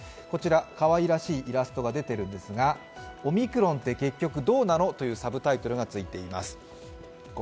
こちら、かわいらしいイラストが出ているんですが「オミクロンって結局どうなの」というサブタイトルがついています。